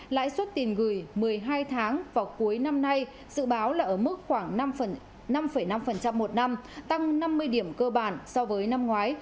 lãi suất tiền gửi một mươi hai tháng vào cuối năm nay dự báo là ở mức khoảng năm năm một năm tăng năm mươi điểm cơ bản so với năm ngoái